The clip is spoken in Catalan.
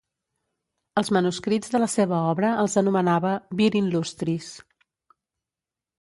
Els manuscrits de la seva obra els anomenava "vir inlustris".